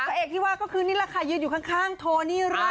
เอกที่ว่าก็คือนี่แหละค่ะยืนอยู่ข้างโทนี่ร่า